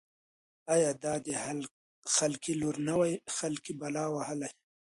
يا دا د خلقي لـور نه وای خـلقۍ بلا وهـلې.